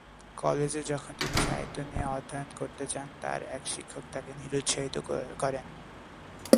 কলেজে যখন তিনি সাহিত্য নিয়ে অধ্যয়ন করতে চান, তার এক শিক্ষক তাকে নিরুৎসাহিত করেন।